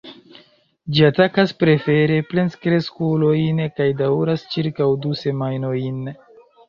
Ĝi atakas prefere plenkreskulojn kaj daŭras ĉirkaŭ du semajnojn.